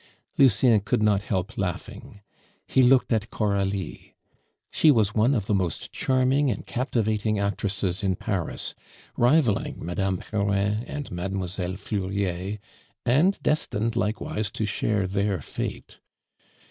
Lucien could not help laughing. He looked at Coralie. She was one of the most charming and captivating actresses in Paris, rivaling Mme. Perrin and Mlle. Fleuriet, and destined likewise to share their fate.